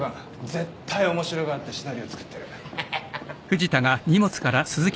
絶対面白がってシナリオ作ってる。ハハハ。